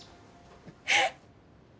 えっ！